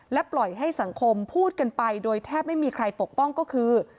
ปล่อยให้สังคมพูดกันไปโดยแทบไม่มีใครปกป้องก็คือ